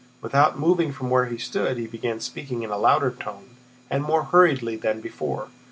Without moving from where he stood he began speaking in a louder tone and more hurriedly than before.